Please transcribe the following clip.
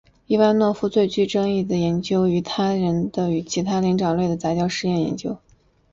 伊万诺夫最具争议的研究在于他的人与其他灵长类动物的杂交试验研究。